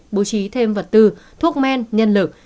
bố trí thêm vật tư thuốc men nhân lực